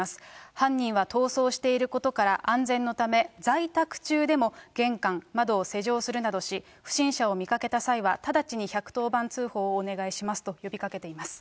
犯人は逃走していることから、安全のため在宅中でも玄関、窓を施錠するなどし、不審者を見かけた際は、直ちに１１０番通報をお願いしますと呼びかけています。